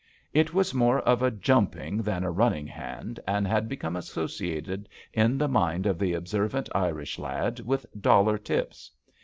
It was more of a jumping than a run ning hand, and had become associated in the mind of the observant Irish lad with dollar tips.